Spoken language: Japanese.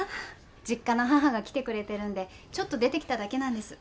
実家の母が来てくれてるんでちょっと出てきただけなんです